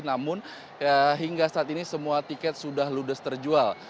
namun hingga saat ini semua tiket sudah ludes terjual